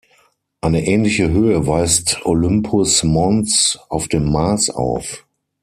Eine ähnliche Höhe weist Olympus Mons auf dem Mars auf.